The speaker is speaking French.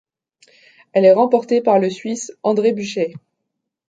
Elle est remportée par le Suisse André Bucher.